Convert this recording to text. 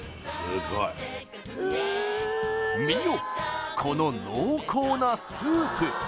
すごい見よこの濃厚なスープ